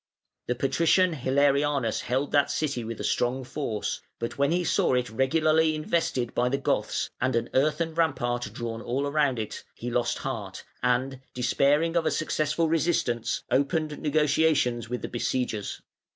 The Patrician Hilarianus held that city with a strong force, but when he saw it regularly invested by the Goths and an earthen rampart drawn all round it, he lost heart, and, despairing of a successful resistance, opened negotiations with the besiegers.